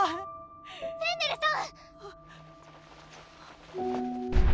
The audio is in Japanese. ・フェンネルさん！